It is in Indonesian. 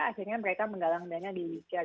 akhirnya mereka menggalang dana di indonesia